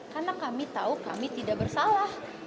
karena kami tahu kami tidak bersalah